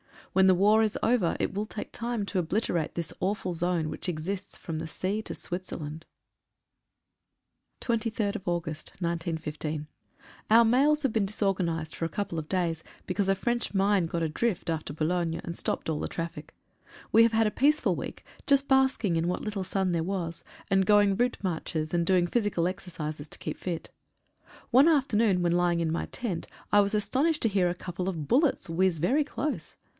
When the war is over it will take time to obliterate this awful zone which exists from the sea to Switzerland. «> D * 23/8/15. UR mails have been disorganised for a couple of days because a French mine got adrift off Bou logne, and stopped all traffic. We have had a peaceful week, just basking in what little sun there was, and going route marches, and doing physical exercises to keep fit. One afternoon when lying in my tent I was astonished to hear a couple of bullets whizz very close.